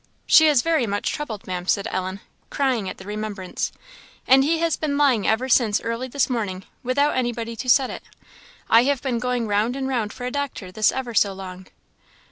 "She is very much troubled, Ma'am," said Ellen, crying at the remembrance; "and he has been lying ever since early this morning without anybody to set it; I have been going round and round for a doctor this ever so long."